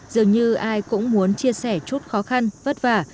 dường như ai cũng muốn chia sẻ chút khó khăn vất vả